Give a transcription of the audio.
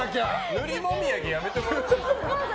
塗りもみあげやめてもらっていいですか？